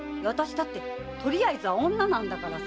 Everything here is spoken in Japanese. あたしだってとりあえずは女なんだからさ。